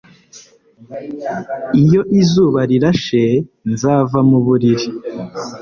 Iyo izuba rirashe nzava mu buriri